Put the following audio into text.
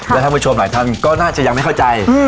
และท่านผู้ชมหลายท่านก็น่าจะยังไม่เข้าใจ